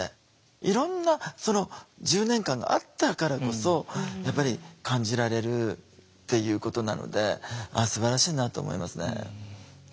いろんなその１０年間があったからこそやっぱり感じられるっていうことなのですばらしいなと思いますね。